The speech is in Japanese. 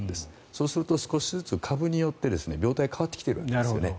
そうすると少しずつ株によって病態が変わってきているわけですね。